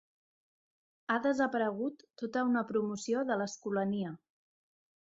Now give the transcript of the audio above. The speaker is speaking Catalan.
Ha desaparegut tota una promoció de l'Escolania.